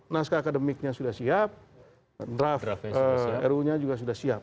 naskah akademiknya sudah siap draft ruu nya juga sudah siap